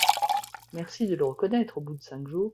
Merci de le reconnaître au bout de cinq jours.